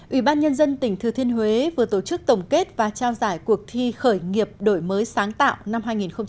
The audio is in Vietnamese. ủy ban nhân dân tỉnh thừa thiên huế vừa tổ chức tổng kết và trao giải cuộc thi khởi nghiệp đổi mới sáng tạo năm hai nghìn một mươi chín